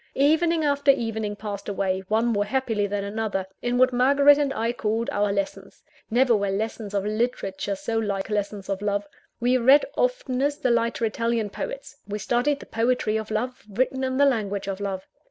Evening after evening passed away one more happily than another in what Margaret and I called our lessons. Never were lessons of literature so like lessons of love. We read oftenest the lighter Italian poets we studied the poetry of love, written in the language of love.